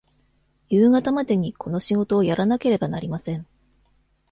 夕方までにこの仕事をやらなければなりません。